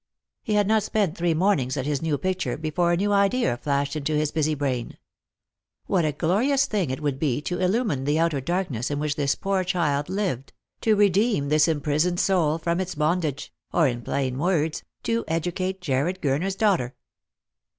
He had not spent three mornings at his new picture before a new idea flashed into his busy brain. What a glorious thing it would be to illumine the outer darkness in which this poor child lived — to redeem this imprisoned soul from its bondage — or, in plain words, to educate Jarred Gurner's daughter